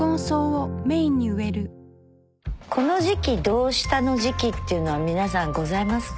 この時期どうしたの時期っていうのは皆さんございますか？